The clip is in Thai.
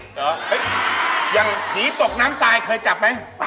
เหรออย่างผีตกน้ำตายเคยจับไหม